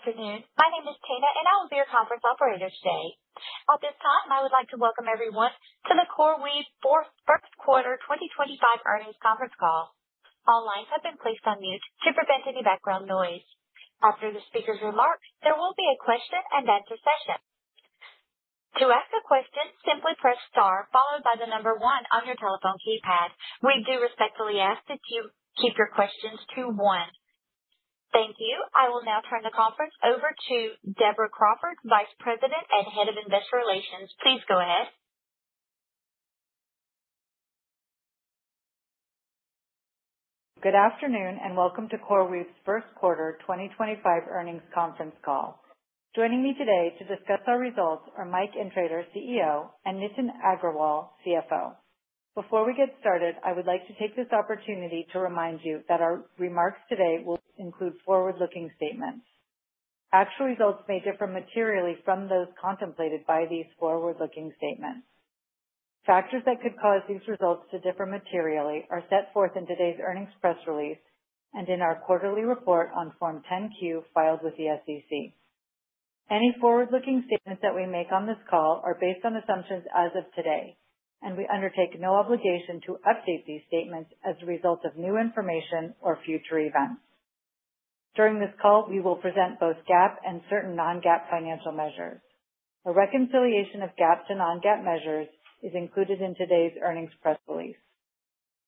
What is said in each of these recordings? Good afternoon. My name is Tina, and I will be your conference operator today. At this time, I would like to welcome everyone to the CoreWeave. First Quarter 2025 Earnings Conference Call. All lines have been placed on mute to prevent any background noise. After the speaker's remarks, there will be a question-and-answer session. To ask a question, simply press * followed by the number one on your telephone keypad. We do respectfully ask that you keep your questions to one. Thank you. I will now turn the conference over to Deborah Crawford, Vice President and Head of Investor Relations. Please go ahead. Good afternoon and welcome to CoreWeave's First Quarter 2025 Earnings Conference Call. Joining me today to discuss our results are Mike Intrator, CEO, and Nitin Agrawal, CFO. Before we get started, I would like to take this opportunity to remind you that our remarks today will include forward-looking statements. Actual results may differ materially from those contemplated by these forward-looking statements. Factors that could cause these results to differ materially are set forth in today's earnings press release and in our quarterly report on Form 10-Q filed with the SEC. Any forward-looking statements that we make on this call are based on assumptions as of today, and we undertake no obligation to update these statements as a result of new information or future events. During this call, we will present both GAAP and certain Non-GAAP financial measures. A reconciliation of GAAP to Non-GAAP measures is included in today's earnings press release.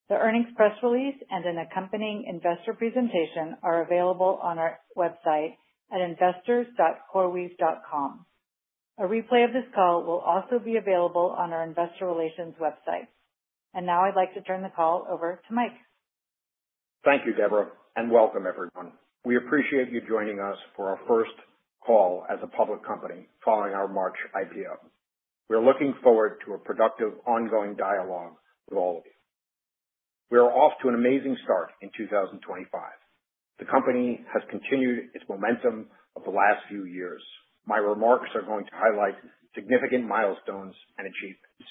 The earnings press release and an accompanying investor presentation are available on our website at investors.coreweave.com. A replay of this call will also be available on our investor relations website. I would like to turn the call over to Mike. Thank you, Deborah, and welcome, everyone. We appreciate you joining us for our first call as a public company following our March IPO. We are looking forward to a productive, ongoing dialogue with all of you. We are off to an amazing start in 2025. The company has continued its momentum of the last few years. My remarks are going to highlight significant milestones and achievements.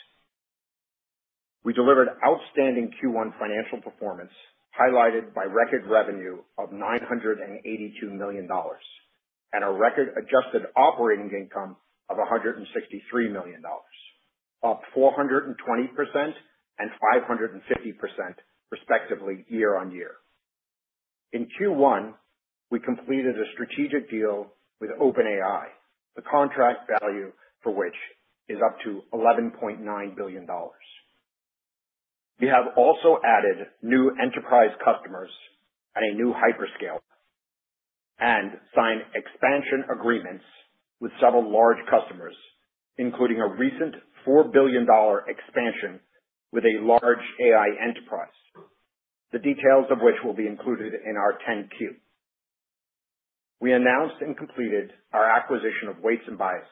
We delivered outstanding Q1 financial performance, highlighted by record revenue of $982 million and a record adjusted operating income of $163 million, up 420% and 550%, respectively, year-on-year. In Q1, we completed a strategic deal with OpenAI, the contract value for which is up to $11.9 billion. We have also added new enterprise customers at a new hyperscale and signed expansion agreements with several large customers, including a recent $4 billion expansion with a large AI enterprise, the details of which will be included in our 10-Q. We announced and completed our acquisition of Weights & Biases,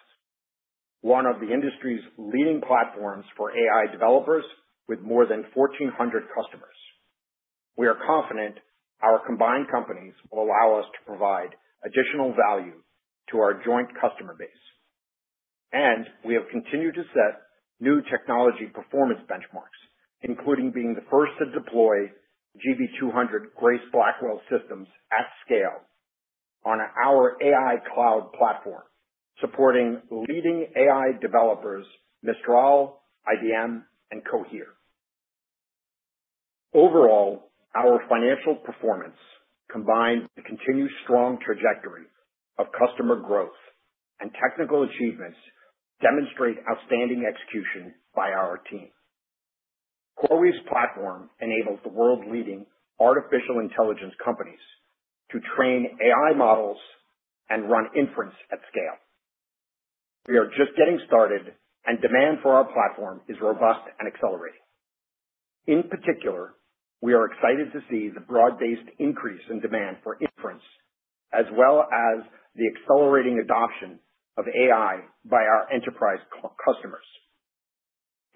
one of the industry's leading platforms for AI developers with more than 1,400 customers. And we are confident our combined companies will allow us to provide additional value to our joint customer base. We have continued to set new technology performance benchmarks, including being the first to deploy GB200 Grace Blackwell systems at scale on our AI cloud platform, supporting leading AI developers Mistral AI, IBM, and Cohere. Overall, our financial performance, combined with the continued strong trajectory of customer growth and technical achievements, demonstrates outstanding execution by our team. CoreWeave's platform enables the world leading Artificial intelligence companies to train AI models and run inference at scale. We are just getting started and demand for our platform is robust and accelerating. In particular, we are excited to see the broad-based increase in demand for inference as well as the accelerating adoption of AI by our enterprise customers.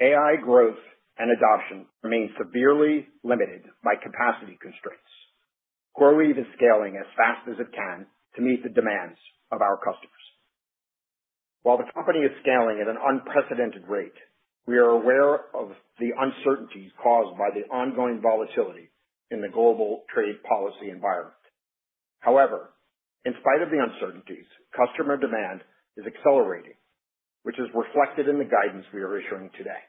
AI growth and adoption remain severely limited by capacity constraints. CoreWeave is scaling as fast as it can to meet the demands of our customers. While the company is scaling at an unprecedented rate, we are aware of the uncertainties caused by the ongoing volatility in the global trade-policy environment. However, in spite of the uncertainties, customer demand is accelerating, which is reflected in the guidance we are issuing today.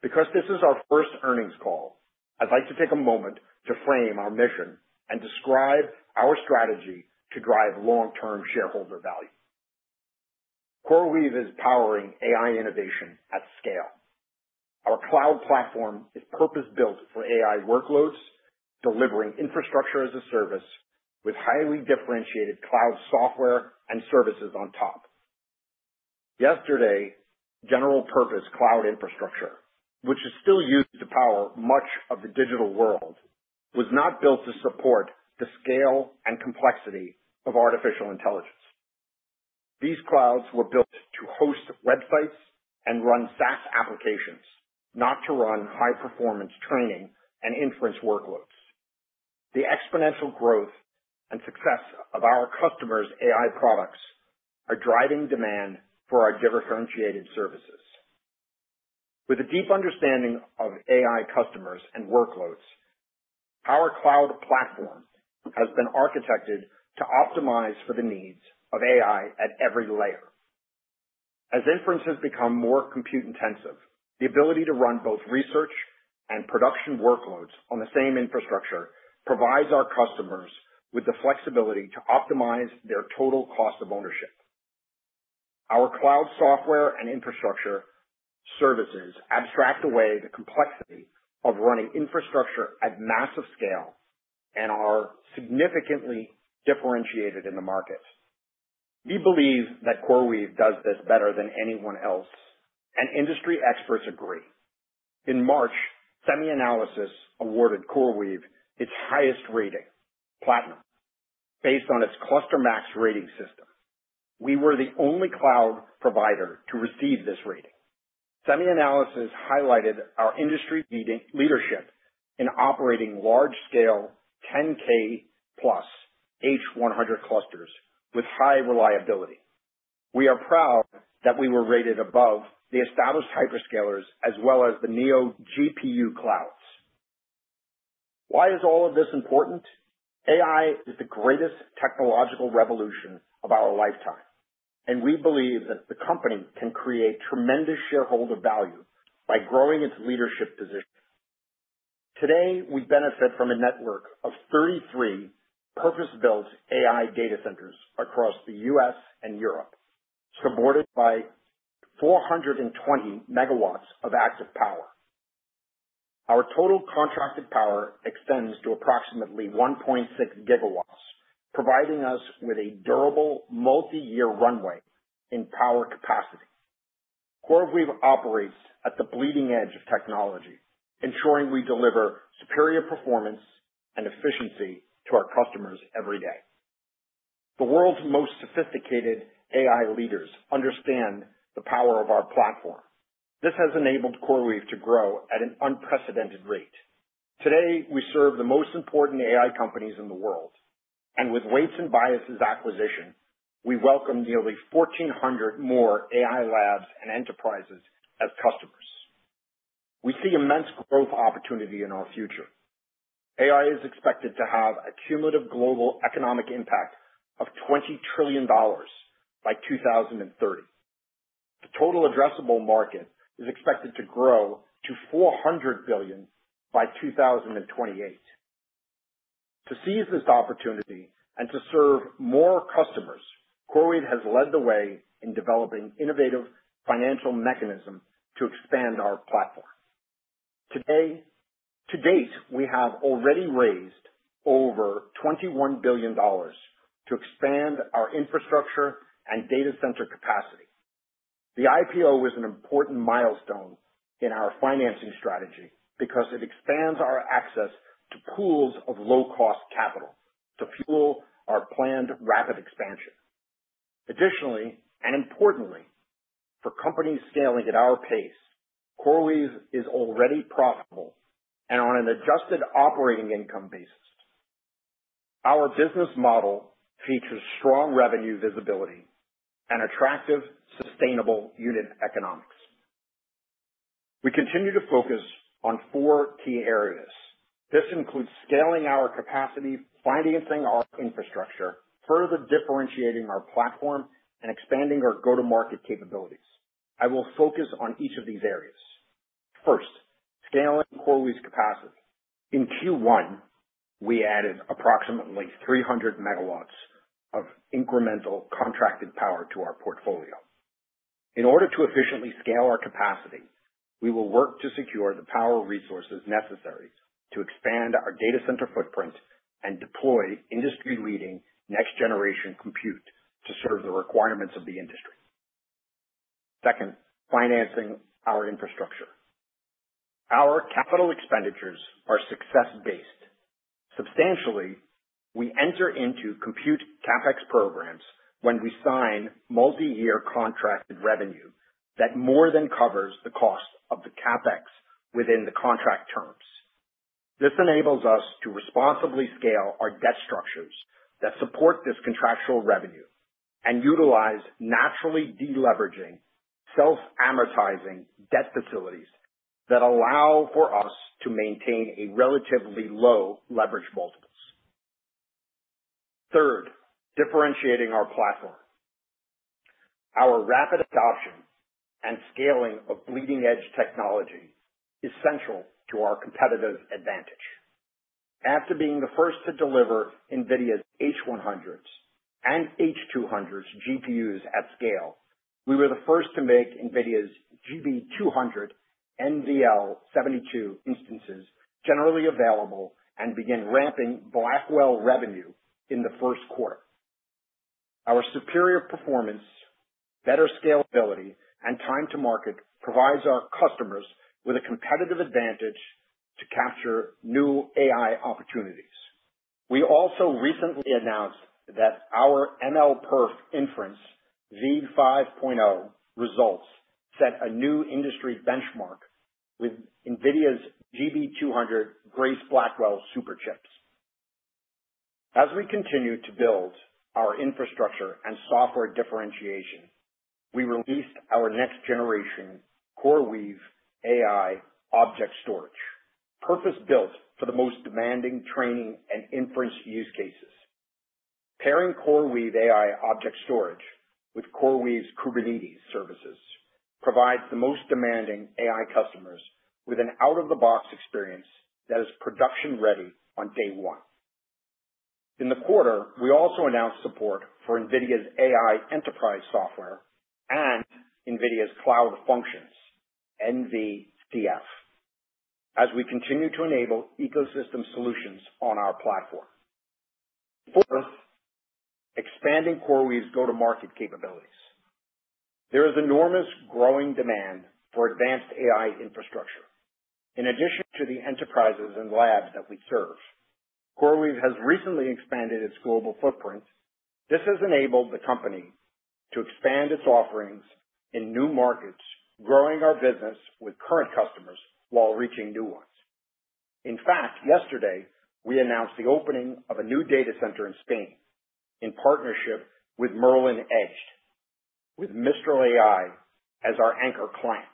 Because this is our first earnings call, I'd like to take a moment to frame our mission and describe our strategy to drive long-term shareholder value. CoreWeave is powering AI innovation at scale. Our cloud platform is purpose-built for AI workloads, delivering infrastructure as a service with highly differentiated cloud software and services on top. Yesterday, general-purpose cloud infrastructure, which is still used to power much of the digital world, was not built to support the scale and complexity of artificial intelligence. These clouds were built to host websites and run SaaS applications, not to run high-performance training and inference workloads. The exponential growth and success of our customers' AI products are driving demand for our differentiated services. With a deep understanding of AI customers and workloads, our cloud platform has been architected to optimize for the needs of AI at every layer. As inference has become more compute-intensive, the ability to run both research and production workloads on the same infrastructure provides our customers with the flexibility to optimize their total cost of ownership. Our cloud software and infrastructure services abstract away the complexity of running infrastructure at massive scale and are significantly differentiated in the market. We believe that CoreWeave does this better than anyone else, and industry experts agree. In March, SemiAnalysis awarded CoreWeave its highest rating, Platinum, based on its ClusterMax rating system. We were the only cloud provider to receive this rating. SemiAnalysis highlighted our industry leadership in operating large-scale 10K-plus H100 clusters with high reliability. We are proud that we were rated above the established hyperscalers as well as the neo GPU clouds. Why is all of this important? AI is the greatest technological revolution of our lifetime, and we believe that the company can create tremendous shareholder value by growing its leadership position. Today, we benefit from a network of 33 purpose-built AI data centers across the U.S. and Europe, supported by 420 megawatts of active power. Our total contracted power extends to approximately 1.6 gigawatts, providing us with a durable multi-year runway in power capacity. CoreWeave operates at the bleeding edge of technology, ensuring we deliver superior performance and efficiency to our customers every day. The world's most sophisticated AI leaders understand the power of our platform. This has enabled CoreWeave to grow at an unprecedented rate. Today, we serve the most important AI companies in the world. With Weights & Biases' acquisition, we welcome nearly 1,400 more AI labs and enterprises as customers. We see immense growth opportunity in our future. AI is expected to have a cumulative global economic impact of $20 trillion by 2030. The total addressable market is expected to grow to $400 billion by 2028. To seize this opportunity and to serve more customers, CoreWeave has led the way in developing innovative financial mechanisms to expand our platform. To date, we have already raised over $21 billion to expand our infrastructure and data center capacity. The IPO was an important milestone in our financing strategy because it expands our access to pools of low-cost capital to fuel our planned rapid expansion. Additionally, and importantly, for companies scaling at our pace, CoreWeave is already profitable and on an adjusted operating income basis. Our business model features strong revenue visibility and attractive, sustainable unit economics. We continue to focus on four key areas. This includes scaling our capacity, financing our infrastructure, further differentiating our platform, and expanding our go-to-market capabilities. I will focus on each of these areas. First, scaling CoreWeave's capacity. In Q1, we added approximately 300 megawatts of incremental contracted power to our portfolio. In order to efficiently scale our capacity, we will work to secure the power resources necessary to expand our data center footprint and deploy industry-leading next-generation compute to serve the requirements of the industry. Second, financing our infrastructure. Our capital expenditures are success-based. Substantially, we enter into compute CapEx programs when we sign multi-year contracted revenue that more than covers the cost of the CapEx within the contract terms. This enables us to responsibly scale our debt structures that support this contractual revenue and utilize naturally deleveraging, self-amortizing debt facilities that allow for us to maintain relatively low leverage multiples. Third, differentiating our platform. Our rapid adoption and scaling of bleeding-edge technology is central to our competitive advantage. After being the first to deliver NVIDIA's H100s and H200s GPUs at scale, we were the first to make NVIDIA's GB200 NVL72 instances generally available and begin ramping Blackwell revenue in the first quarter. Our superior performance, better scalability, and time-to-market provide our customers with a competitive advantage to capture new AI opportunities. We also recently announced that our MLPerf Inference v5.0 results set a new industry benchmark with NVIDIA's GB200 Grace Blackwell Superchips. As we continue to build our infrastructure and software differentiation, we released our next-generation CoreWeave AI Object Storage, purpose-built for the most demanding training and inference use cases. Pairing CoreWeave AI Object Storage with CoreWeave's Kubernetes services provides the most demanding AI customers with an out-of-the-box experience that is production-ready on day one. In the quarter, we also announced support for NVIDIA's AI Enterprise software and NVIDIA's Cloud Functions, NVCF, as we continue to enable ecosystem solutions on our platform. Fourth, expanding CoreWeave's go-to-market capabilities. There is enormous growing demand for advanced AI infrastructure. In addition to the enterprises and labs that we serve, CoreWeave has recently expanded its global footprint. This has enabled the company to expand its offerings in new markets, growing our business with current customers while reaching new ones. In fact, yesterday, we announced the opening of a new data center in Spain in partnership with Merlin Edge, with Mistral AI as our anchor client.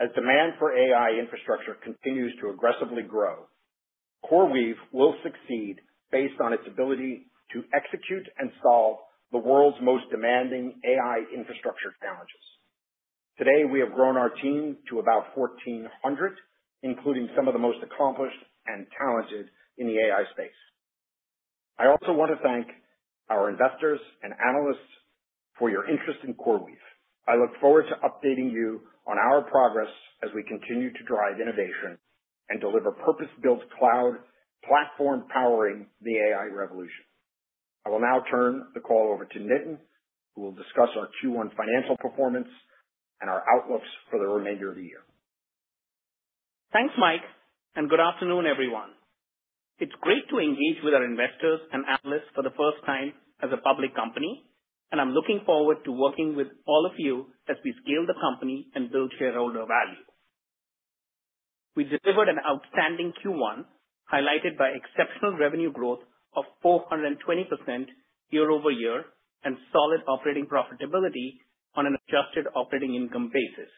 As demand for AI infrastructure continues to aggressively grow, CoreWeave will succeed based on its ability to execute and solve the world's most demanding AI infrastructure challenges. Today, we have grown our team to about 1,400, including some of the most accomplished and talented in the AI space. I also want to thank our investors and analysts for your interest in CoreWeave. I look forward to updating you on our progress as we continue to drive innovation and deliver purpose-built cloud platform powering the AI revolution. I will now turn the call over to Nitin, who will discuss our Q1 financial performance and our outlooks for the remainder of the year. Thanks, Mike, and good afternoon, everyone. It's great to engage with our investors and analysts for the first time as a public company, and I'm looking forward to working with all of you as we scale the company and build shareholder value. We delivered an outstanding Q1, highlighted by exceptional revenue growth of 420% year-over-year and solid operating profitability on an adjusted operating income basis.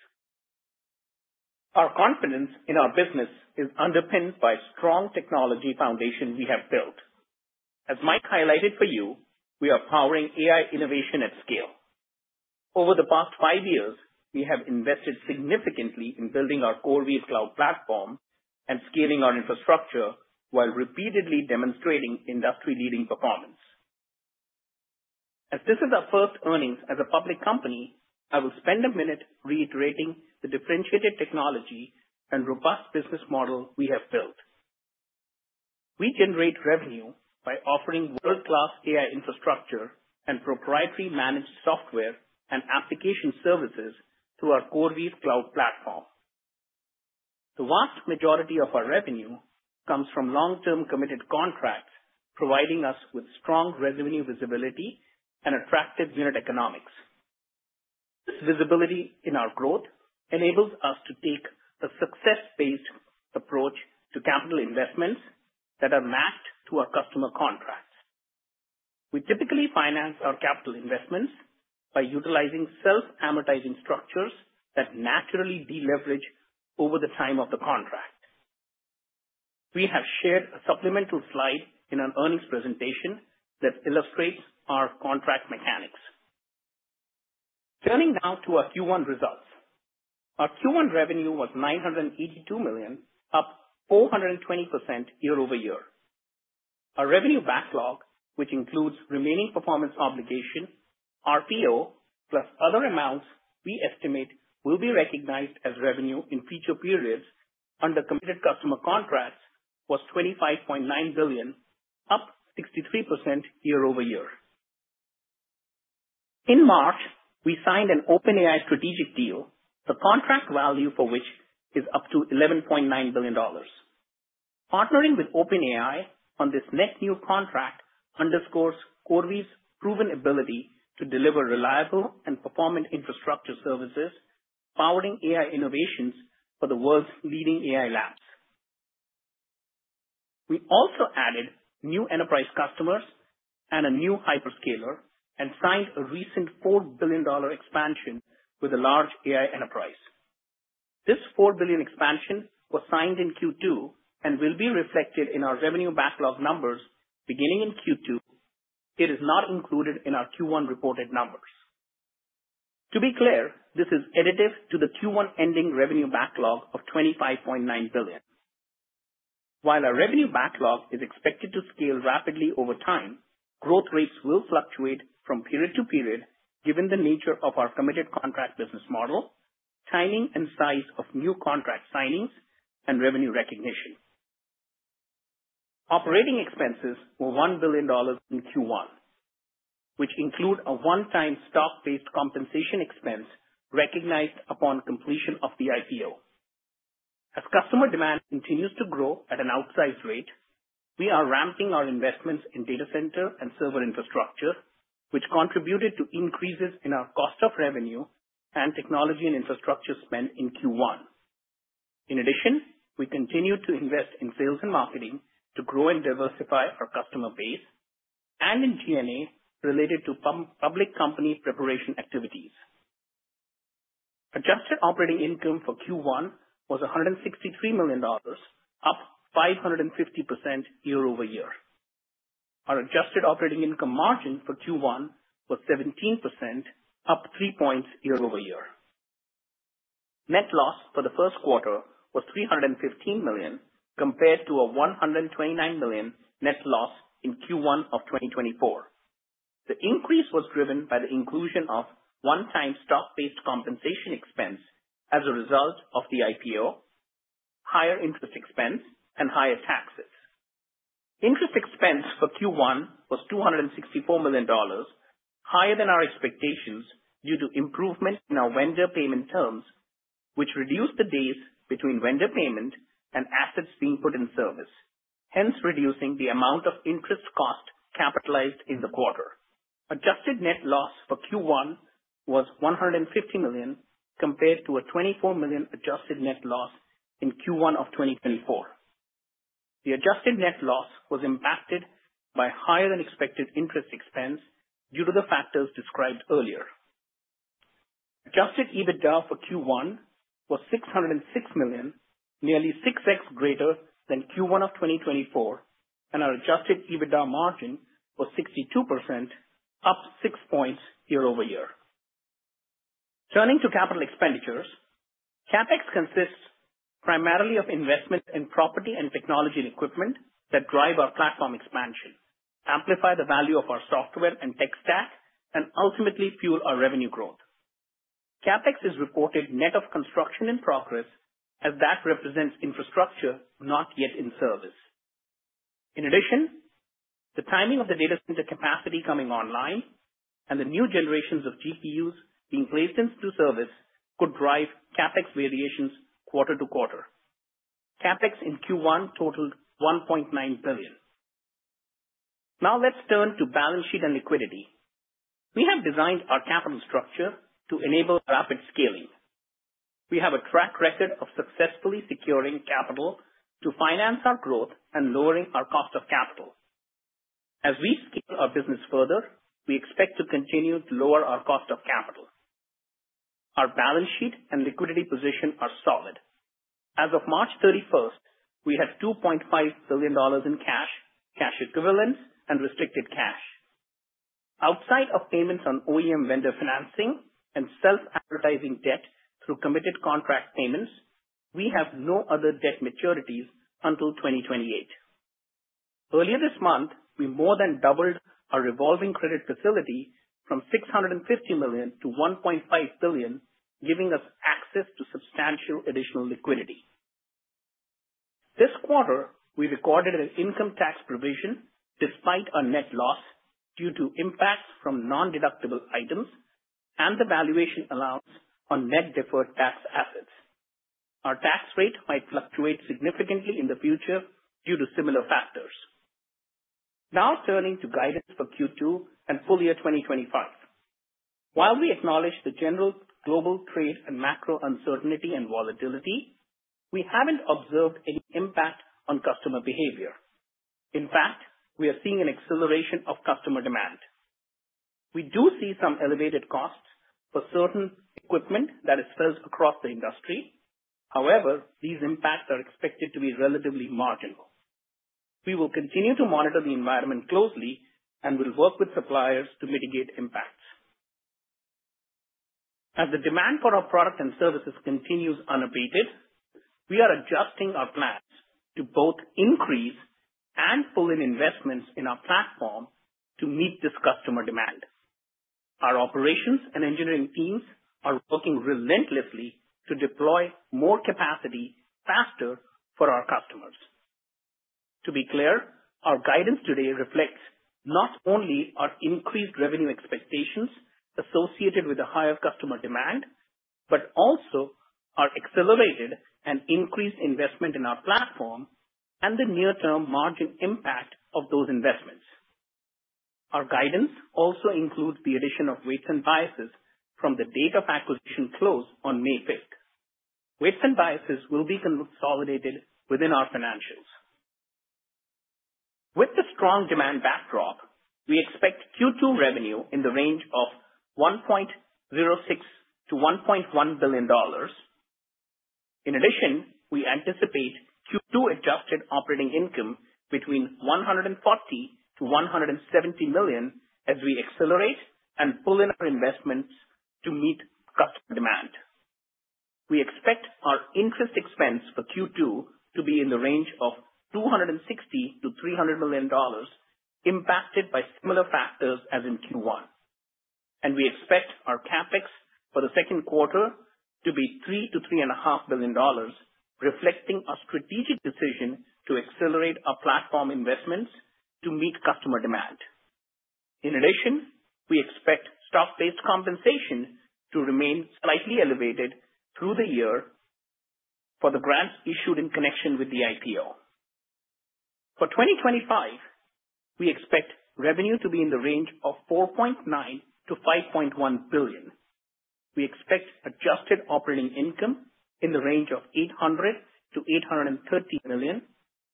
Our confidence in our business is underpinned by a strong technology foundation we have built. As Mike highlighted for you, we are powering AI innovation at scale. Over the past five years, we have invested significantly in building our CoreWeave Cloud platform and scaling our infrastructure while repeatedly demonstrating industry-leading performance. As this is our first earnings as a public company, I will spend a minute reiterating the differentiated technology and robust business model we have built. We generate revenue by offering world-class AI infrastructure and proprietary managed software and application services through our CoreWeave Cloud platform. The vast majority of our revenue comes from long-term committed contracts, providing us with strong revenue visibility and attractive unit economics. This visibility in our growth enables us to take a success-based approach to capital investments that are mapped to our customer contracts. We typically finance our capital investments by utilizing self-amortizing structures that naturally deleverage over the time of the contract. We have shared a supplemental slide in our earnings presentation that illustrates our contract mechanics. Turning now to our Q1 results. Our Q1 revenue was $982 million, up 420% year-over-year. Our revenue backlog, which includes remaining performance obligation, RPO, plus other amounts we estimate will be recognized as revenue in future periods under committed customer contracts, was $25.9 billion, up 63% year-over-year. In March, we signed an OpenAI strategic deal, the contract value for which is up to $11.9 billion. Partnering with OpenAI on this net new contract underscores CoreWeave's proven ability to deliver reliable and performant infrastructure services, powering AI innovations for the world's leading AI labs. We also added new enterprise customers and a new hyperscaler and signed a recent $4 billion expansion with a large AI enterprise. This $4 billion expansion was signed in Q2 and will be reflected in our revenue backlog numbers beginning in Q2. It is not included in our Q1 reported numbers. To be clear, this is additive to the Q1 ending revenue backlog of $25.9 billion. While our revenue backlog is expected to scale rapidly over time, growth rates will fluctuate from period to period given the nature of our committed contract business model, timing and size of new contract signings, and revenue recognition. Operating expenses were $1 billion in Q1, which include a one-time stock-based compensation expense recognized upon completion of the IPO. As customer demand continues to grow at an outsized rate, we are ramping our investments in data center and server infrastructure, which contributed to increases in our cost of revenue and technology and infrastructure spend in Q1. In addition, we continue to invest in sales and marketing to grow and diversify our customer base and in G&A related to public company preparation activities. Adjusted operating income for Q1 was $163 million, up 550% year-over-year. Our adjusted operating income margin for Q1 was 17%, up 3 points year-over-year. Net loss for the first quarter was $315 million compared to a $129 million net loss in Q1 of 2024. The increase was driven by the inclusion of one-time stock-based compensation expense as a result of the IPO, higher interest expense, and higher taxes. Interest expense for Q1 was $264 million, higher than our expectations due to improvement in our vendor payment terms, which reduced the days between vendor payment and assets being put in service, hence reducing the amount of interest cost capitalized in the quarter. Adjusted net loss for Q1 was $150 million compared to a $24 million adjusted net loss in Q1 of 2024. The adjusted net loss was impacted by higher-than-expected interest expense due to the factors described earlier. Adjusted EBITDA for Q1 was $606 million, nearly 6x greater than Q1 of 2024, and our adjusted EBITDA margin was 62%, up 6 percentage points year-over-year. Turning to capital expenditures, CapEx consists primarily of investments in property and technology and equipment that drive our platform expansion, amplify the value of our software and tech stack, and ultimately fuel our revenue growth. CapEx is reported net of construction in progress as that represents infrastructure not yet in service. In addition, the timing of the data center capacity coming online and the new generations of GPUs being placed into service could drive CapEx variations quarter to quarter. CapEx in Q1 totaled $1.9 billion. Now let's turn to balance sheet and liquidity. We have designed our capital structure to enable rapid scaling. We have a track record of successfully securing capital to finance our growth and lowering our cost of capital. As we scale our business further, we expect to continue to lower our cost of capital. Our balance sheet and liquidity position are solid. As of March 31, we had $2.5 billion in cash, cash equivalents, and restricted cash. Outside of payments on OEM vendor financing and self-amortizing debt through committed contract payments, we have no other debt maturities until 2028. Earlier this month, we more than doubled our revolving credit facility from $650 million to $1.5 billion, giving us access to substantial additional liquidity. This quarter, we recorded an income tax provision despite our net loss due to impacts from non-deductible items and the valuation allowance on net deferred tax assets. Our tax rate might fluctuate significantly in the future due to similar factors. Now turning to guidance for Q2 and full year 2025. While we acknowledge the general global trade and macro uncertainty and volatility, we have not observed any impact on customer behavior. In fact, we are seeing an acceleration of customer demand. We do see some elevated costs for certain equipment that is felt across the industry. However, these impacts are expected to be relatively marginal. We will continue to monitor the environment closely and will work with suppliers to mitigate impacts. As the demand for our product and services continues unabated, we are adjusting our plans to both increase and pull in investments in our platform to meet this customer demand. Our operations and engineering teams are working relentlessly to deploy more capacity faster for our customers. To be clear, our guidance today reflects not only our increased revenue expectations associated with a higher customer demand, but also our accelerated and increased investment in our platform and the near-term margin impact of those investments. Our guidance also includes the addition of Weights & Biases from the date of acquisition close on May 5th. Weights & Biases will be consolidated within our financials. With the strong demand backdrop, we expect Q2 revenue in the range of $1.06-$1.1 billion. In addition, we anticipate Q2 adjusted operating income between $140-$170 million as we accelerate and pull in our investments to meet customer demand. We expect our interest expense for Q2 to be in the range of $260-$300 million impacted by similar factors as in Q1. We expect our CapEx for the second quarter to be $3-$3.5 billion, reflecting our strategic decision to accelerate our platform investments to meet customer demand. In addition, we expect stock-based compensation to remain slightly elevated through the year for the grants issued in connection with the IPO. For 2025, we expect revenue to be in the range of $4.9 billion to $5.1 billion. We expect adjusted operating income in the range of $800 million-$830 million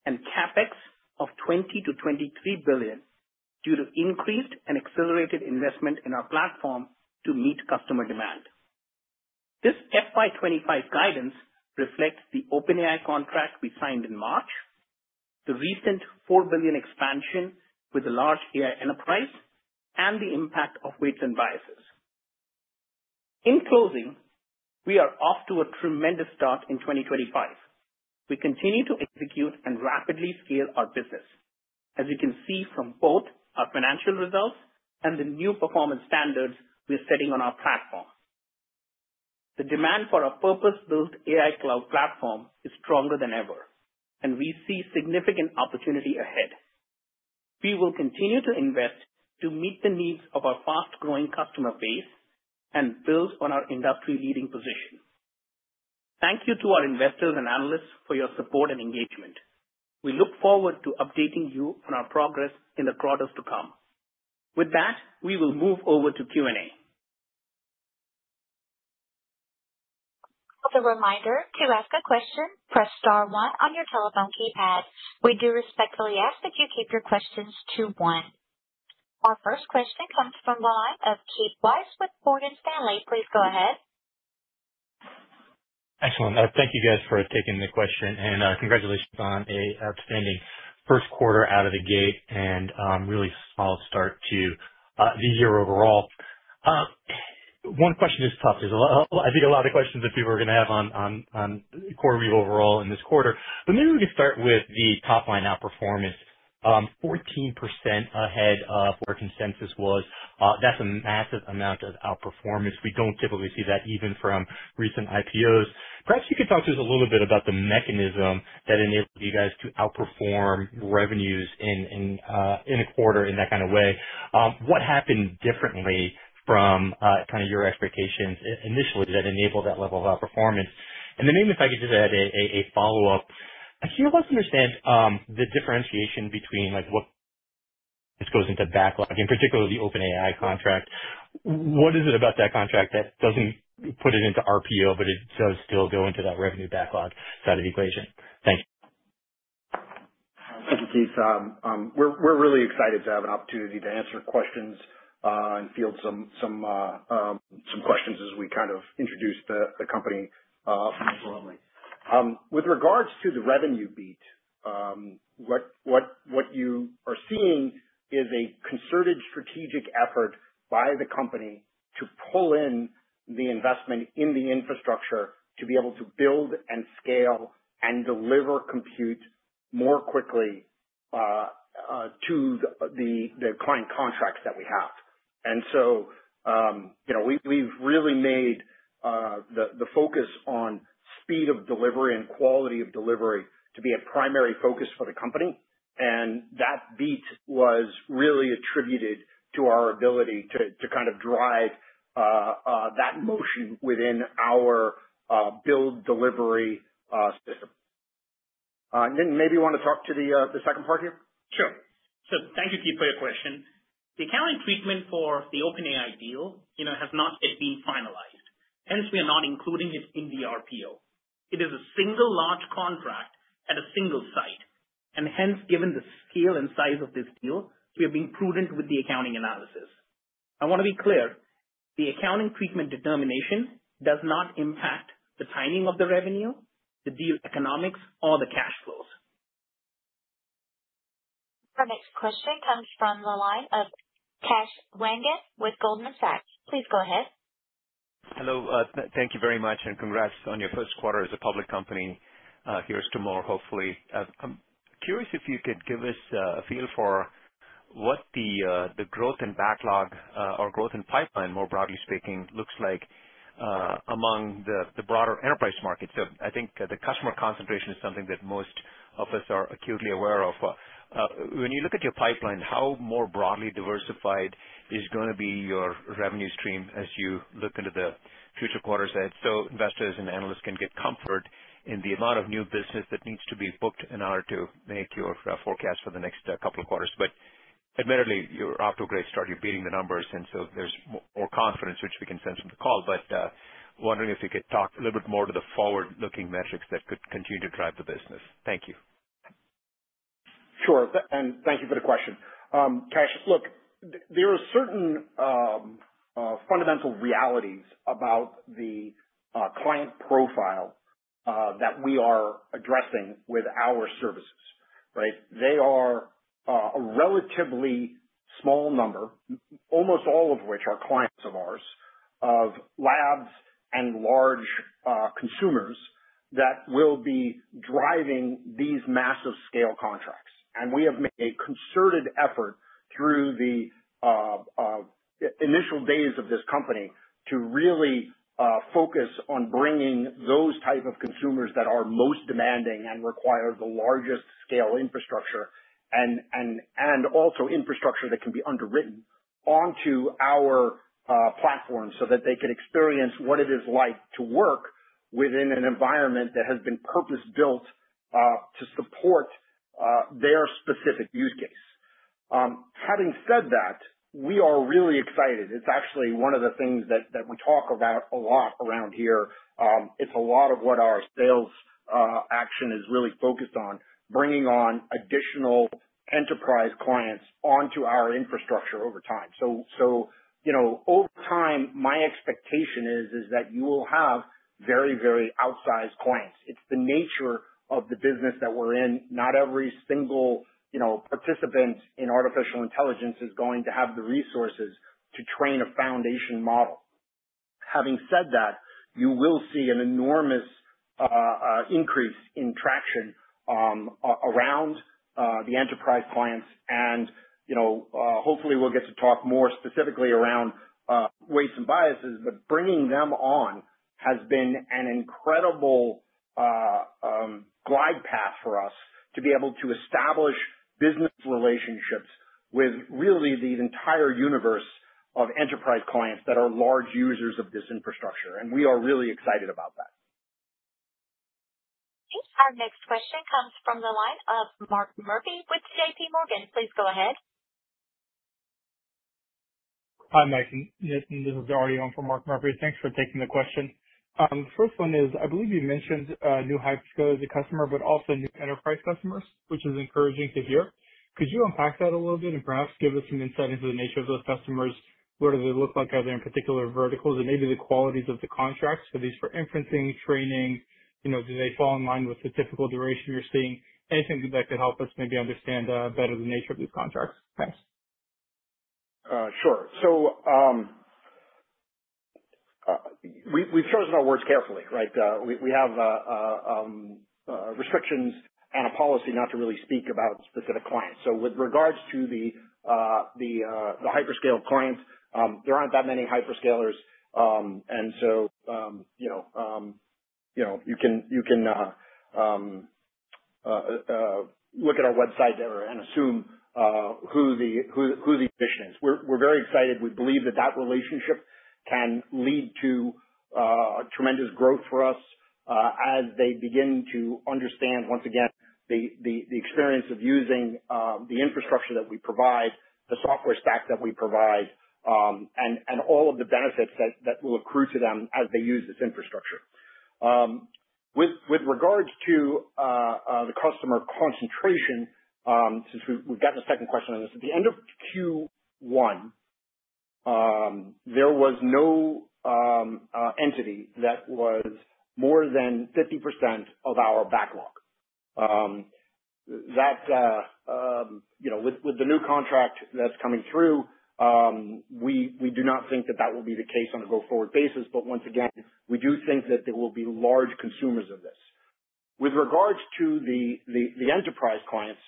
and CapEx of $20 billion-$23 billion due to increased and accelerated investment in our platform to meet customer demand. This FY25 guidance reflects the OpenAI contract we signed in March, the recent $4 billion expansion with a large AI enterprise, and the impact of Weights and Biases. In closing, we are off to a tremendous start in 2025. We continue to execute and rapidly scale our business, as you can see from both our financial results and the new performance standards we are setting on our platform. The demand for a purpose-built AI Cloud platform is stronger than ever, and we see significant opportunity ahead. We will continue to invest to meet the needs of our fast-growing customer base and build on our industry-leading position. Thank you to our investors and analysts for your support and engagement. We look forward to updating you on our progress in the quarters to come. With that, we will move over to Q&A. As a reminder, to ask a question, press star one on your telephone keypad. We do respectfully ask that you keep your questions to one. Our first question comes from Keith Weiss with Morgan Stanley. Please go ahead. Excellent. Thank you, guys for taking the question. And congratulations on an outstanding first quarter out of the gate and really solid start to, the year overall. One question just popped into my head. I think a lot of the questions that people are going to have on CoreWeave overall in this quarter. But maybe we could start with the top-line outperformance. 14% ahead of where consensus was. That's a massive amount of outperformance. We don't typically see that even from recent IPOs. Perhaps you could talk to us a little bit about the mechanism that enabled you guys to outperform revenues in a quarter in that kind of way. What happened differently from kind of your expectations initially that enabled that level of outperformance? Maybe if I could just add a follow-up. I can't quite understand the differentiation between what goes into backlog, in particular the OpenAI contract. What is it about that contract that doesn't put it into RPO, but it does still go into that revenue backlog side of the equation? Thank you. Thank you, Keith. We're really excited to have an opportunity to answer questions and field some questions as we kind of introduce the company more broadly. With regards to the revenue beat, what you are seeing is a concerted strategic effort by the company to pull in the investment in the infrastructure to be able to build and scale and deliver compute more quickly to the client contracts that we have. We have really made the focus on speed of delivery and quality of delivery to be a primary focus for the company. That beat was really attributed to our ability to kind of drive that motion within our build delivery system. Nitin, maybe you want to talk to the second part here? Sure. Thank you, Keith, for your question. The accounting treatment for the OpenAI deal has not yet been finalized. Hence, we are not including it in the RPO. It is a single large contract at a single site. Hence, given the scale and size of this deal, we have been prudent with the accounting analysis. I want to be clear. The accounting treatment determination does not impact the timing of the revenue, the deal economics, or the cash flows. Our next question comes from the line of Cash Wangin with Goldman Sachs. Please go ahead. Hello. Thank you very much. And congrats on your first quarter as a public company here tomorrow, hopefully. I'm curious if you could give us a feel for what the growth and backlog, or growth and pipeline, more broadly speaking, looks like among the broader enterprise market. I think the customer concentration is something that most of us are acutely aware of. When you look at your pipeline, how more broadly diversified is going to be your revenue stream as you look into the future quarters so investors and analysts can get comfort in the amount of new business that needs to be booked in order to make your forecast for the next couple of quarters. You are off to a great start. You are beating the numbers. There is more confidence, which we can sense from the call. I am wondering if you could talk a little bit more to the forward-looking metrics that could continue to drive the business. Thank you. Sure. Thank you for the question. Cash, look, there are certain fundamental realities about the client profile that we are addressing with our services, right? They are a relatively small number, almost all of which are clients of ours, of labs and large consumers that will be driving these massive scale contracts. We have made a concerted effort through the initial days of this company to really focus on bringing those types of consumers that are most demanding and require the largest scale infrastructure, and also infrastructure that can be underwritten, onto our platform so that they can experience what it is like to work within an environment that has been purpose-built to support their specific use case. Having said that, we are really excited. It's actually one of the things that we talk about a lot around here. It's a lot of what our sales action is really focused on, bringing on additional enterprise clients onto our infrastructure over time. Over time, my expectation is that you will have very, very outsized clients. It is the nature of the business that we are in. Not every single participant in artificial intelligence is going to have the resources to train a foundation model. Having said that, you will see an enormous increase in traction around the enterprise clients. Hopefully, we will get to talk more specifically around Weights & Biases. Bringing them on has been an incredible glide path for us to be able to establish business relationships with really the entire universe of enterprise clients that are large users of this infrastructure. We are really excited about that. Our next question comes from the line of Mark Murphy with JPMorgan. Please go ahead. Hi, Nitin. This is Arion from Mark Murphy. Thanks for taking the question. The first one is, I believe you mentioned new hyperscale as a customer, but also new enterprise customers, which is encouraging to hear. Could you unpack that a little bit and perhaps give us some insight into the nature of those customers? What do they look like? Are there any particular verticals? Maybe the qualities of the contracts? Are these for inferencing, training? Do they fall in line with the typical duration you're seeing? Anything that could help us maybe understand better the nature of these contracts? Thanks. Sure. We've chosen our words carefully, right? We have restrictions and a policy not to really speak about specific clients. With regards to the hyperscale clients, there aren't that many hyperscalers. You can look at our website there and assume who the mission is. We're very excited. We believe that relationship can lead to tremendous growth for us as they begin to understand, once again, the experience of using the infrastructure that we provide, the software stack that we provide, and all of the benefits that will accrue to them as they use this infrastructure. With regards to the customer concentration, since we've gotten a second question on this, at the end of Q1, there was no entity that was more than 50% of our backlog. With the new contract that's coming through, we do not think that will be the case on a go-forward basis. Once again, we do think that there will be large consumers of this. With regards to the enterprise clients,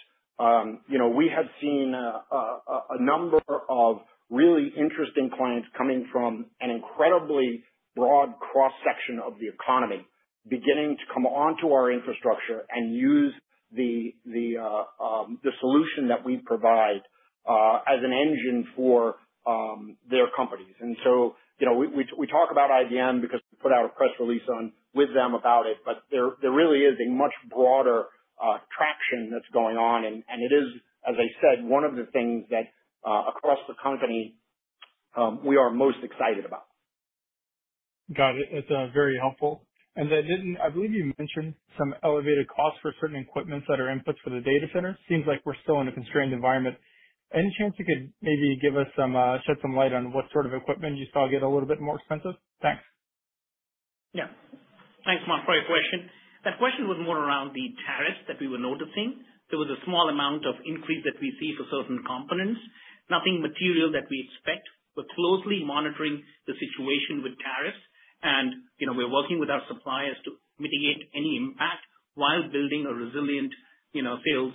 we have seen a number of really interesting clients coming from an incredibly broad cross-section of the economy, beginning to come onto our infrastructure and use the solution that we provide as an engine for their companies. We talk about IBM because we put out a press release with them about it. There really is a much broader traction that's going on. It is, as I said, one of the things that across the company we are most excited about. Got it. That's very helpful. Nitin, I believe you mentioned some elevated costs for certain equipment that are inputs for the data center. Seems like we're still in a constrained environment. Any chance you could maybe shed some light on what sort of equipment you saw get a little bit more expensive? Thanks. Yeah. Thanks, Mark. For your question. That question was more around the tariffs that we were noticing. There was a small amount of increase that we see for certain components. Nothing material that we expect. We're closely monitoring the situation with tariffs. We're working with our suppliers to mitigate any impact while building a resilient sales,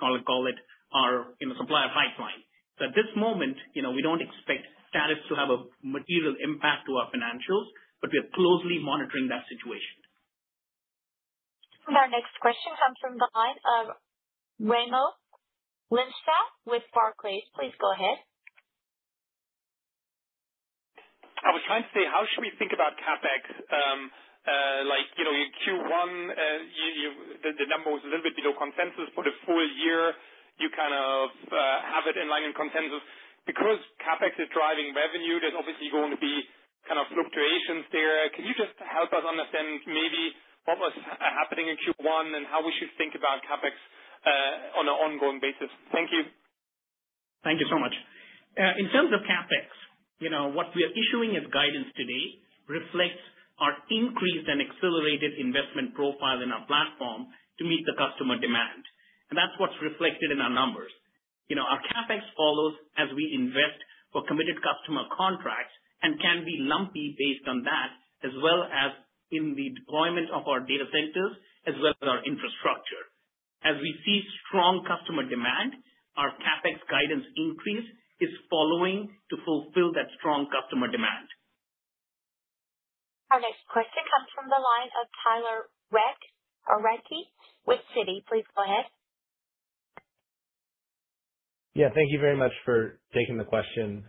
call it, our supplier pipeline. At this moment, we don't expect tariffs to have a material impact on our financials, but we are closely monitoring that situation. Our next question comes from the line of Waymo Lynstad with Barclays. Please go ahead. I was trying to say, how should we think about CapEx? Like Q1, the number was a little bit below consensus. For the full year, you kind of have it in line with consensus. Because CapEx is driving revenue, there's obviously going to be kind of fluctuations there. Can you just help us understand maybe what was happening in Q1 and how we should think about CapEx on an ongoing basis? Thank you. Thank you so much. In terms of CapEx, what we are issuing as guidance today reflects our increased and accelerated investment profile in our platform to meet the customer demand. That is what is reflected in our numbers. Our CapEx follows as we invest for committed customer contracts and can be lumpy based on that, as well as in the deployment of our data centers, as well as our infrastructure. As we see strong customer demand, our CapEx guidance increase is following to fulfill that strong customer demand. Our next question comes from the line of Tyler Weck or Weckie with Citi. Please go ahead. Yeah. T hank you very much for taking the question.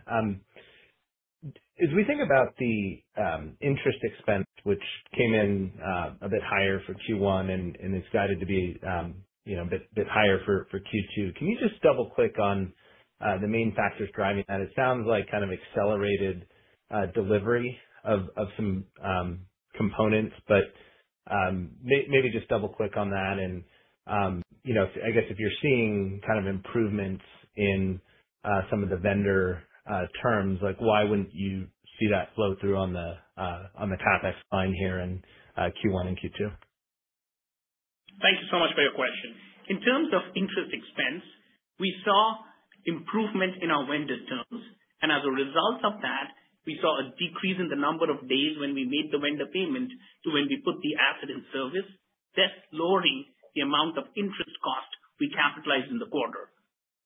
As we think about the interest expense, which came in a bit higher for Q1 and is guided to be a bit higher for Q2, can you just double-click on the main factors driving that? It sounds like kind of accelerated delivery of some components. Maybe just double-click on that. I guess if you're seeing kind of improvements in some of the vendor terms, why wouldn't you see that flow through on the CapEx line here in Q1 and Q2? Thank you so much for your question. In terms of interest expense, we saw improvement in our vendor terms. As a result of that, we saw a decrease in the number of days when we made the vendor payment to when we put the asset in service, thus lowering the amount of interest cost we capitalized in the quarter.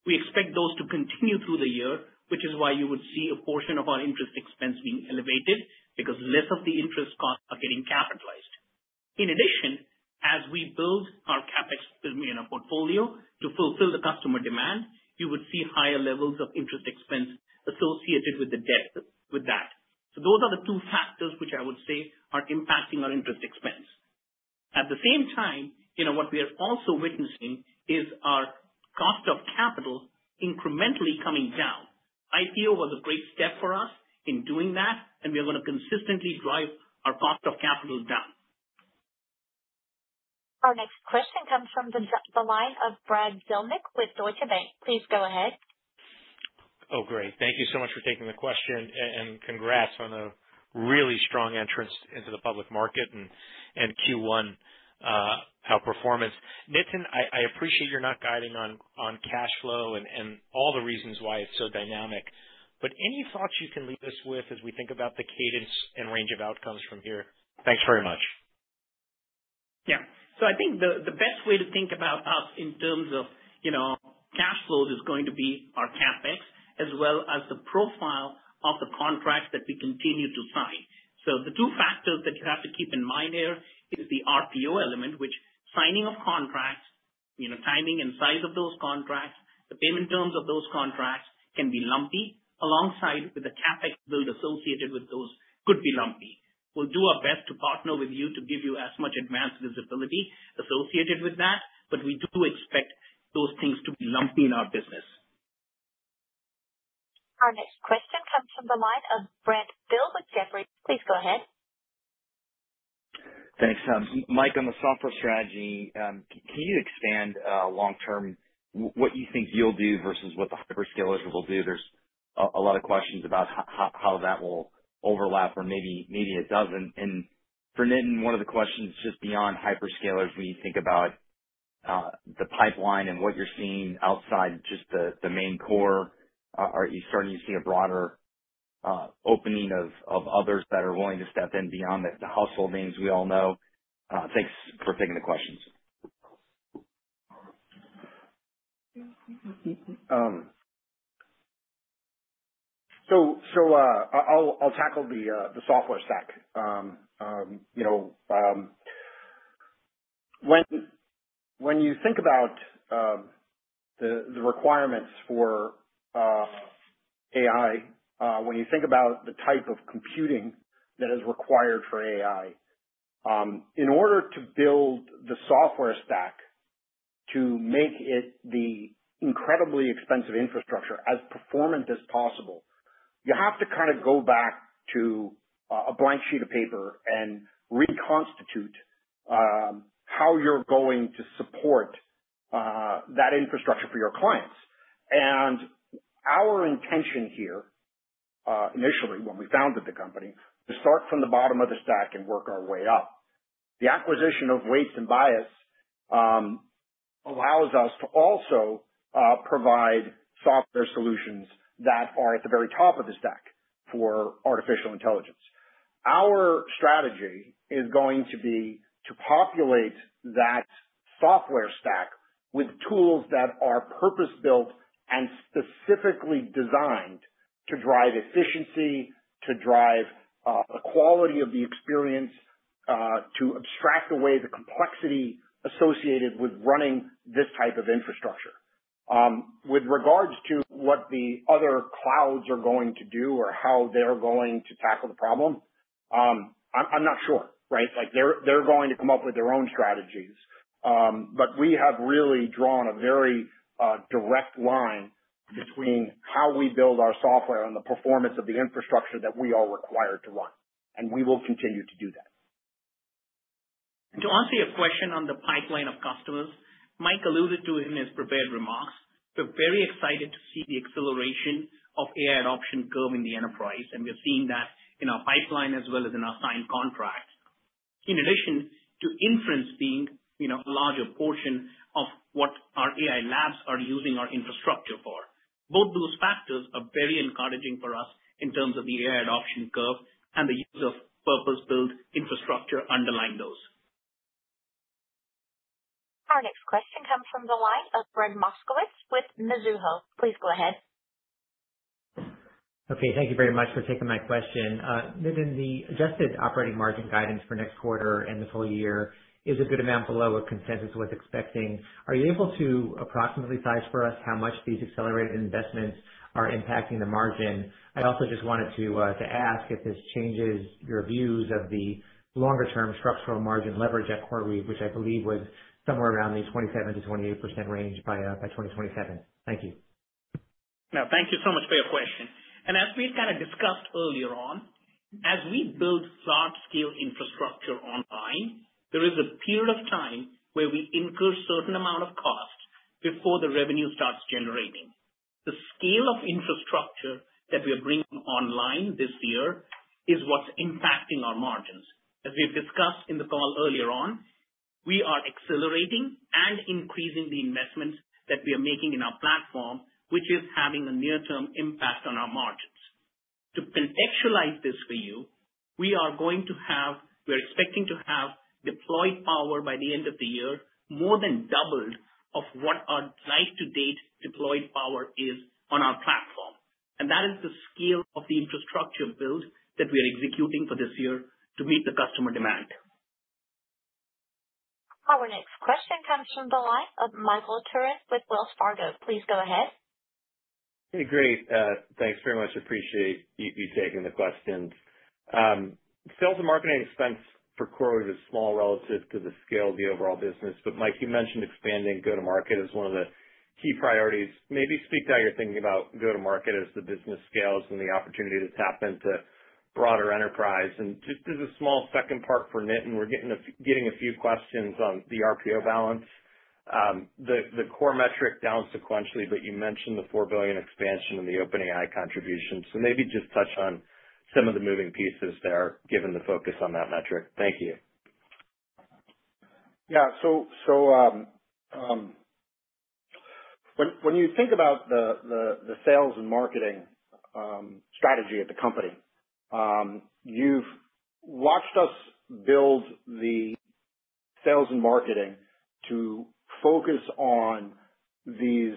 We expect those to continue through the year, which is why you would see a portion of our interest expense being elevated because less of the interest costs are getting capitalized. In addition, as we build our CapEx portfolio to fulfill the customer demand, you would see higher levels of interest expense associated with that. Those are the two factors which I would say are impacting our interest expense. At the same time, what we are also witnessing is our cost of capital incrementally coming down. IPO was a great step for us in doing that. We are going to consistently drive our cost of capital down. Our next question comes from the line of Brad Zilmic with Deutsche Bank. Please go ahead. Oh, great. Thank you so much for taking the question. Congrats on a really strong entrance into the public market and Q1 outperformance. Nitin, I appreciate your not guiding on cash flow and all the reasons why it's so dynamic. Any thoughts you can leave us with as we think about the cadence and range of outcomes from here? Thanks very much. Yeah. I think the best way to think about us in terms of cash flows is going to be our CapEx, as well as the profile of the contracts that we continue to sign. The two factors that you have to keep in mind here is the RPO element, which signing of contracts, timing and size of those contracts, the payment terms of those contracts can be lumpy, alongside with the CapEx billed associated with those could be lumpy. We'll do our best to partner with you to give you as much advanced visibility associated with that. We do expect those things to be lumpy in our business. Our next question comes from the line of Brad Bill with Jeffrey. Please go ahead. Thanks. Mike, on the software strategy, can you expand long-term what you think you'll do versus what the hyperscalers will do? There are a lot of questions about how that will overlap or maybe it does not. For Nitin, one of the questions just beyond hyperscalers, when you think about the pipeline and what you're seeing outside just the main core, are you starting to see a broader opening of others that are willing to step in beyond the household names we all know? Thanks for taking the questions. I will tackle the software stack. When you think about the requirements for AI, when you think about the type of computing that is required for AI, in order to build the software stack to make it the incredibly expensive infrastructure as performant as possible, you have to kind of go back to a blank sheet of paper and reconstitute how you're going to support that infrastructure for your clients. Our intention here, initially, when we founded the company, was to start from the bottom of the stack and work our way up. The acquisition of Weights & Biases allows us to also provide software solutions that are at the very top of the stack for artificial intelligence. Our strategy is going to be to populate that software stack with tools that are purpose-built and specifically designed to drive efficiency, to drive the quality of the experience, to abstract away the complexity associated with running this type of infrastructure. With regards to what the other clouds are going to do or how they're going to tackle the problem, I'm not sure, right? They're going to come up with their own strategies. We have really drawn a very direct line between how we build our software and the performance of the infrastructure that we are required to run. We will continue to do that. To answer your question on the pipeline of customers, Mike alluded to it in his prepared remarks. We're very excited to see the acceleration of AI adoption curve in the enterprise. We're seeing that in our pipeline as well as in our signed contracts, in addition to inference being a larger portion of what our AI labs are using our infrastructure for. Both those factors are very encouraging for us in terms of the AI adoption curve and the use of purpose-built infrastructure underlying those. Our next question comes from the line of Brannin Moskowitz with Mizuho. Please go ahead. Okay. Thank you very much for taking my question. Nitin, the adjusted operating margin guidance for next quarter and the full year is a good amount below what consensus was expecting. Are you able to approximately size for us how much these accelerated investments are impacting the margin? I also just wanted to ask if this changes your views of the longer-term structural margin leverage at CoreWeave, which I believe was somewhere around the 27-28% range by 2027. Thank you. No, thank you so much for your question. As we kind of discussed earlier on, as we build large-scale infrastructure online, there is a period of time where we incur a certain amount of cost before the revenue starts generating. The scale of infrastructure that we are bringing online this year is what's impacting our margins. As we've discussed in the call earlier on, we are accelerating and increasing the investments that we are making in our platform, which is having a near-term impact on our margins. To contextualize this for you, we are going to have—we're expecting to have deployed power by the end of the year more than double what our life-to-date deployed power is on our platform. That is the scale of the infrastructure build that we are executing for this year to meet the customer demand. Our next question comes from the line of Michael Turrin with Wells Fargo. Please go ahead. Hey, great. Thanks very much. Appreciate you taking the questions. Sales and marketing expense for CoreWeave is small relative to the scale of the overall business. Mike, you mentioned expanding go-to-market as one of the key priorities. Maybe speak to how you're thinking about go-to-market as the business scales and the opportunity to tap into broader enterprise. Just as a small second part for Nitin, we're getting a few questions on the RPO balance, the core metric down sequentially, but you mentioned the $4 billion expansion and the OpenAI contribution. Maybe just touch on some of the moving pieces there given the focus on that metric. Thank you. Yeah. When you think about the sales and marketing strategy at the company, you've watched us build the sales and marketing to focus on these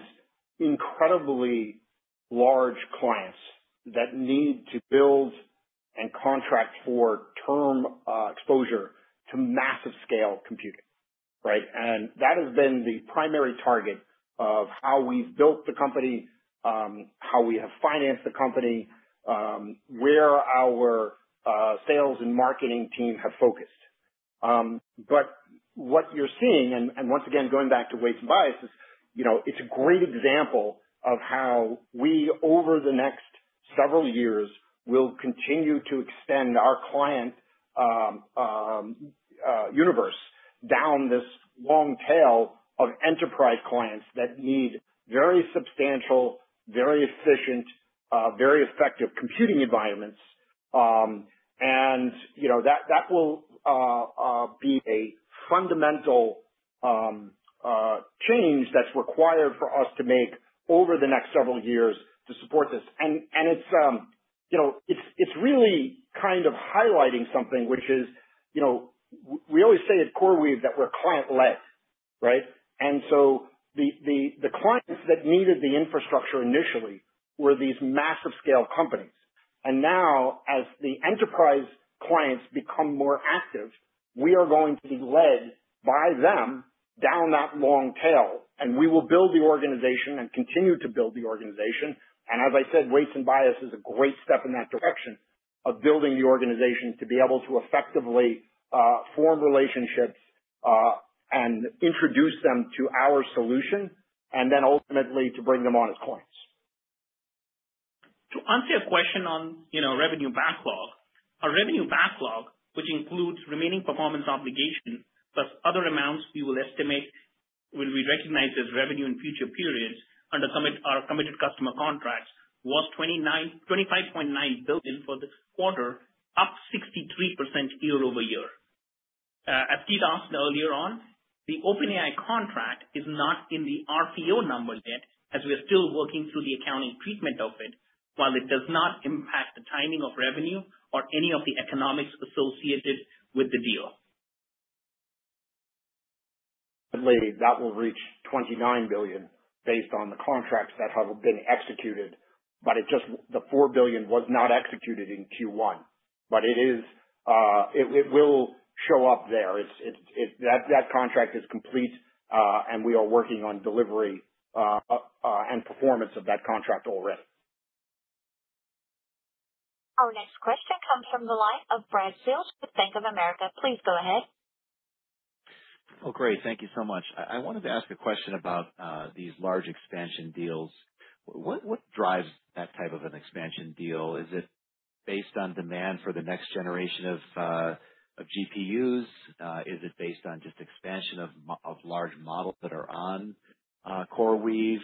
incredibly large clients that need to build and contract for term exposure to massive-scale computing, right? That has been the primary target of how we've built the company, how we have financed the company, where our sales and marketing team have focused. What you're seeing, once again, going back to Weights & Biases, it's a great example of how we, over the next several years, will continue to extend our client universe down this long tail of enterprise clients that need very substantial, very efficient, very effective computing environments. That will be a fundamental change that's required for us to make over the next several years to support this. It's really kind of highlighting something, which is we always say at CoreWeave that we're client-led, right? The clients that needed the infrastructure initially were these massive-scale companies. Now, as the enterprise clients become more active, we are going to be led by them down that long tail. We will build the organization and continue to build the organization. As I said, Weights & Biases is a great step in that direction of building the organization to be able to effectively form relationships and introduce them to our solution, and then ultimately to bring them on as clients. To answer your question on revenue backlog, our revenue backlog, which includes remaining performance obligations plus other amounts we will estimate will be recognized as revenue in future periods under our committed customer contracts, was $25.9 billion for this quarter, up 63% year over year. As Keith asked earlier on, the OpenAI contract is not in the RPO number yet, as we are still working through the accounting treatment of it, while it does not impact the timing of revenue or any of the economics associated with the deal. That will reach $29 billion based on the contracts that have been executed. The $4 billion was not executed in Q1. It will show up there. That contract is complete. We are working on delivery and performance of that contract already. Our next question comes from the line of Brad Zilt with Bank of America. Please go ahead. Oh, great. Thank you so much. I wanted to ask a question about these large expansion deals. What drives that type of an expansion deal? Is it based on demand for the next generation of GPUs? Is it based on just expansion of large models that are on CoreWeave?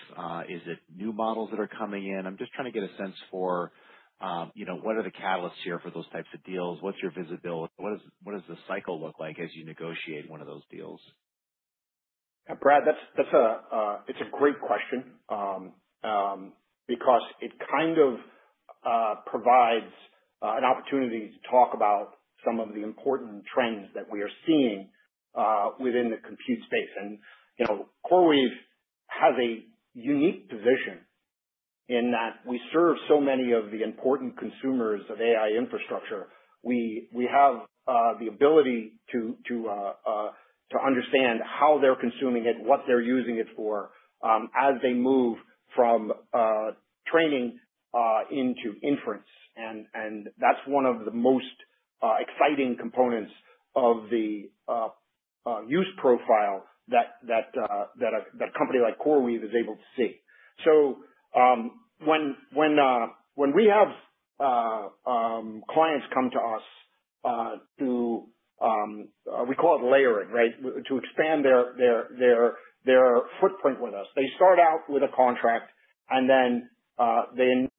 Is it new models that are coming in? I'm just trying to get a sense for what are the catalysts here for those types of deals. What's your visibility? What does the cycle look like as you negotiate one of those deals? Brad, it's a great question because it kind of provides an opportunity to talk about some of the important trends that we are seeing within the compute space. CoreWeave has a unique position in that we serve so many of the important consumers of AI infrastructure. We have the ability to understand how they're consuming it, what they're using it for, as they move from training into inference. That's one of the most exciting components of the use profile that a company like CoreWeave is able to see. When we have clients come to us to—we call it layering, right?—to expand their footprint with us, they start out with a contract, and then they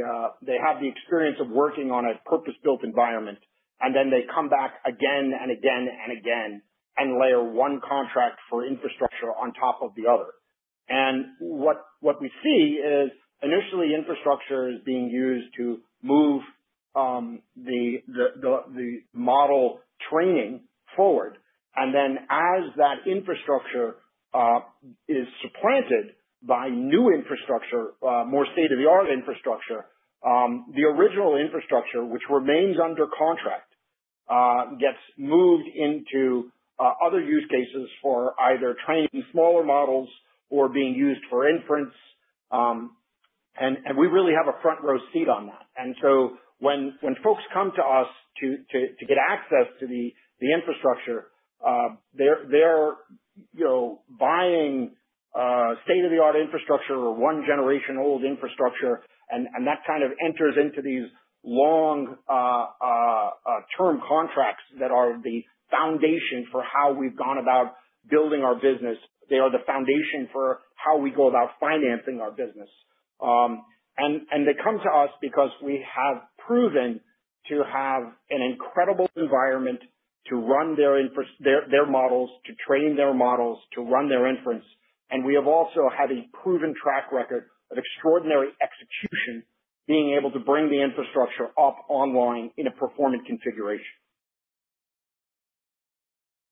have the experience of working on a purpose-built environment, and then they come back again and again and again and layer one contract for infrastructure on top of the other. What we see is initially infrastructure is being used to move the model training forward. Then as that infrastructure is supplanted by new infrastructure, more state-of-the-art infrastructure, the original infrastructure, which remains under contract, gets moved into other use cases for either training smaller models or being used for inference. We really have a front-row seat on that. When folks come to us to get access to the infrastructure, they're buying state-of-the-art infrastructure or one-generation-old infrastructure. That kind of enters into these long-term contracts that are the foundation for how we've gone about building our business. They are the foundation for how we go about financing our business. They come to us because we have proven to have an incredible environment to run their models, to train their models, to run their inference. We have also had a proven track record of extraordinary execution, being able to bring the infrastructure up online in a performant configuration.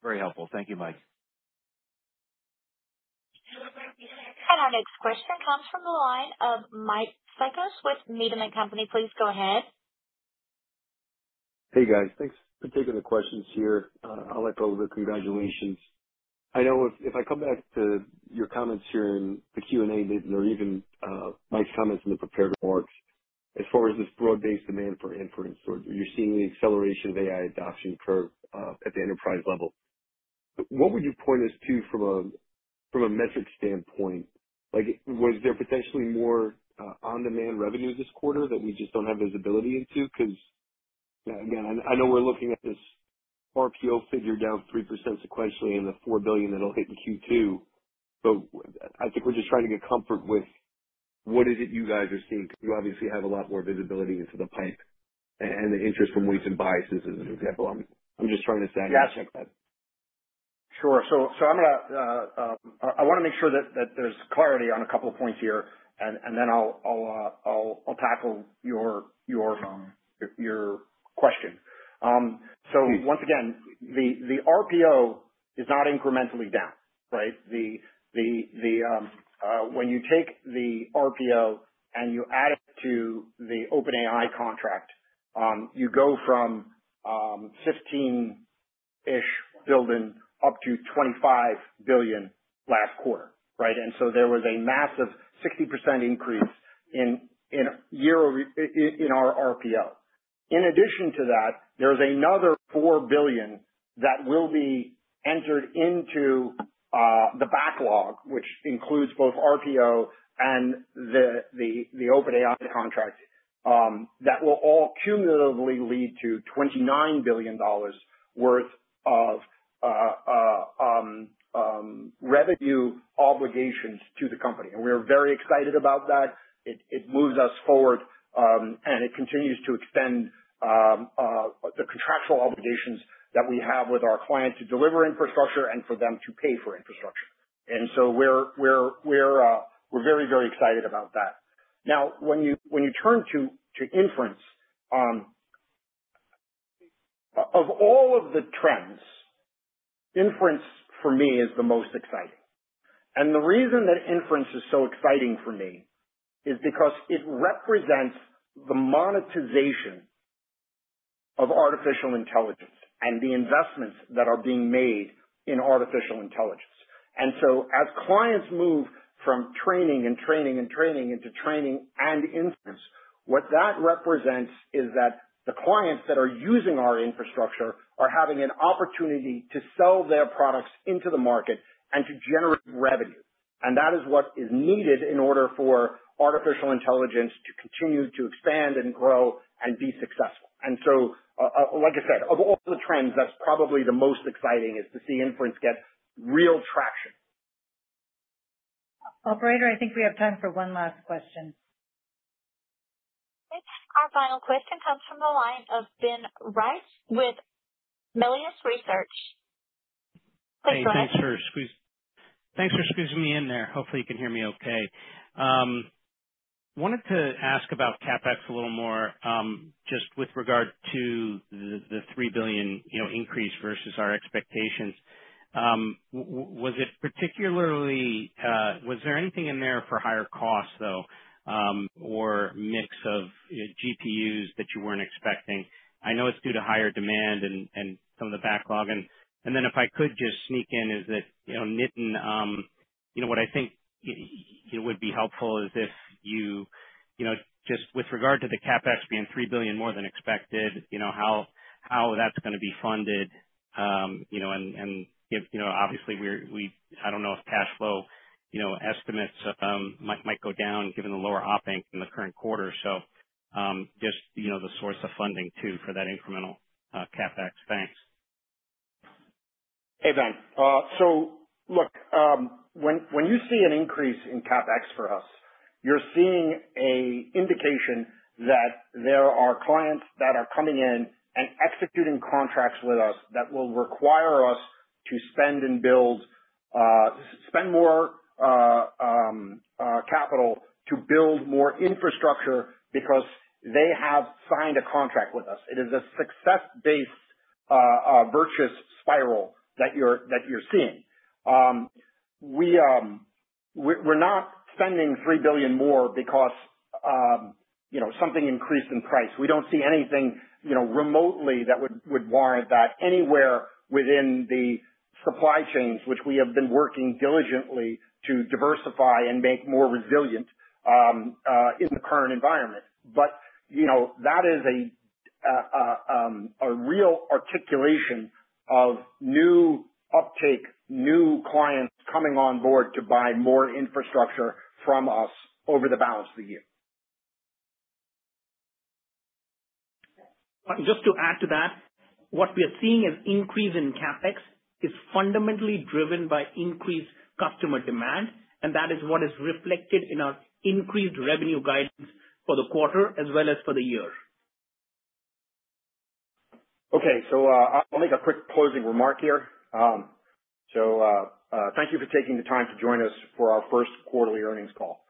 Very helpful. Thank you, Mike. Our next question comes from the line of Mike Psychos with MetaMint Company. Please go ahead. Hey, guys. Thanks for taking the questions here. I'd like to offer congratulations. I know if I come back to your comments here in the Q&A or even Mike's comments in the prepared remarks, as far as this broad-based demand for inference, you're seeing the acceleration of AI adoption curve at the enterprise level. What would you point us to from a metric standpoint? Was there potentially more on-demand revenue this quarter that we just do not have visibility into? Because, again, I know we're looking at this RPO figure down 3% sequentially and the $4 billion that'll hit in Q2. I think we're just trying to get comfort with what is it you guys are seeing. You obviously have a lot more visibility into the pipe and the interest from Weights & Biases as an example. I'm just trying to sanity check that. Sure.So I want to make sure that there's clarity on a couple of points here, and then I'll tackle your question. Once again, the RPO is not incrementally down, right? When you take the RPO and you add it to the OpenAI contract, you go from $15 billion-ish up to $25 billion last quarter, right? There was a massive 60% increase in our RPO. In addition to that, there's another $4 billion that will be entered into the backlog, which includes both RPO and the OpenAI contract, that will all cumulatively lead to $29 billion worth of revenue obligations to the company. We are very excited about that. It moves us forward, and it continues to extend the contractual obligations that we have with our client to deliver infrastructure and for them to pay for infrastructure. We are very, very excited about that. Now, when you turn to inference, of all of the trends, inference for me is the most exciting. The reason that inference is so exciting for me is because it represents the monetization of artificial intelligence and the investments that are being made in artificial intelligence. As clients move from training and training and training into training and inference, what that represents is that the clients that are using our infrastructure are having an opportunity to sell their products into the market and to generate revenue. That is what is needed in order for artificial intelligence to continue to expand and grow and be successful. Like I said, of all the trends, that's probably the most exciting is to see inference get real traction. Operator, I think we have time for one last question. Our final question comes from the line of Ben Rice with Melius Research. Please go ahead. Thanks for squeezing me in there. Hopefully, you can hear me okay. Wanted to ask about CapEx a little more just with regard to the $3 billion increase versus our expectations. Was it particularly—was there anything in there for higher cost, though, or mix of GPUs that you were not expecting? I know it is due to higher demand and some of the backlog then if I could just sneak in, is that Nitin, what I think would be helpful is if you just, with regard to the CapEx being $3 billion more than expected, how that is going to be funded. Obviously, I do not know if cash flow estimates might go down given the lower op-ink[Ph] in the current quarter. Just the source of funding too for that incremental CapEx. Thanks. Hey, Ben. Look, when you see an increase in CapEx for us, you're seeing an indication that there are clients that are coming in and executing contracts with us that will require us to spend and build, spend more capital to build more infrastructure because they have signed a contract with us. It is a success-based virtuous spiral that you're seeing. We're not spending $3 billion more because something increased in price. We don't see anything remotely that would warrant that anywhere within the supply chains, which we have been working diligently to diversify and make more resilient in the current environment. That is a real articulation of new uptake, new clients coming on board to buy more infrastructure from us over the balance of the year. Just to add to that, what we are seeing is an increase in CapEx is fundamentally driven by increased customer demand. That is what is reflected in our increased revenue guidance for the quarter as well as for the year. Okay.So, I'll make a quick closing remark here. Thank you for taking the time to join us for our first quarterly earnings call.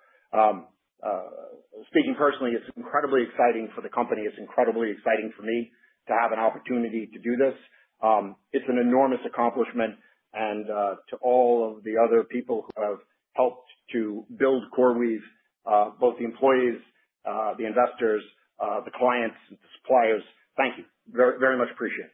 Speaking personally, it's incredibly exciting for the company. It's incredibly exciting for me to have an opportunity to do this. It's an enormous accomplishment. To all of the other people who have helped to build CoreWeave, both the employees, the investors, the clients, and the suppliers, thank you. Very much appreciated.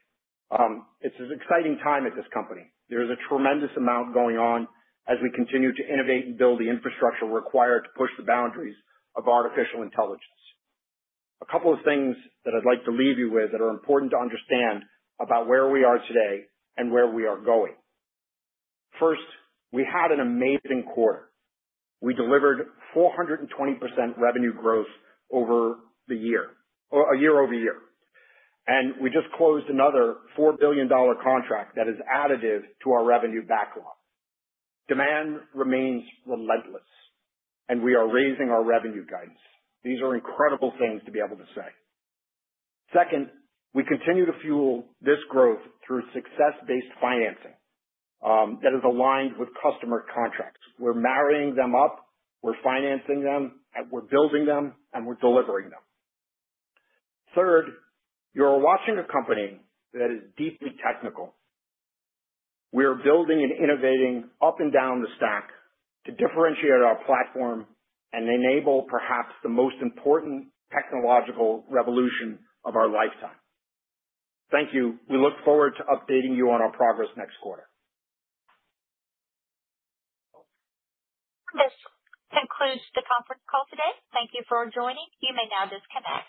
It's an exciting time at this company. There is a tremendous amount going on as we continue to innovate and build the infrastructure required to push the boundaries of artificial intelligence. A couple of things that I'd like to leave you with that are important to understand about where we are today and where we are going. First, we had an amazing quarter. We delivered 420% revenue growth year-over-year. And we just closed another $4 billion contract that is additive to our revenue backlog. Demand remains relentless, and we are raising our revenue guidance. These are incredible things to be able to say. Second, we continue to fuel this growth through success-based financing that is aligned with customer contracts. We're marrying them up. We're financing them. We're building them, and we're delivering them. Third, you're watching a company that is deeply technical. We are building and innovating up and down the stack to differentiate our platform and enable perhaps the most important technological revolution of our lifetime. Thank you. We look forward to updating you on our progress next quarter. This concludes the conference call today. Thank you for joining. You may now disconnect.